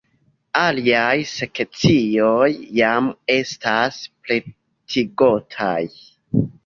Aliaj sekcioj jam estas pretigotaj.